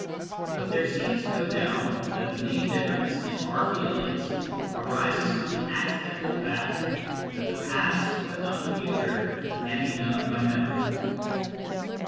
But there seems no doubt that the main difference in our feelings arises from the accidental fact that the past but not the future can be known by memory.